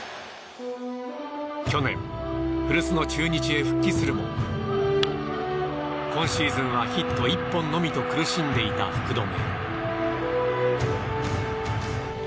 去年、古巣の中日へ復帰するも今シーズンはヒット１本のみと苦しんでいた福留。